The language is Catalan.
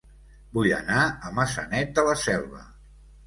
Vull anar a Maçanet de la Selva